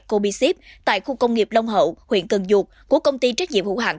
cobiship tại khu công nghiệp long hậu huyện cần duột của công ty trách nhiệm hữu hạng